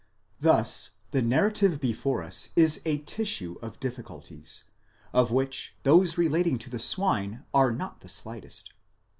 *5 Thus the narrative before us is a tissue of difficulties, of which those re lating to the swine are not the slightest.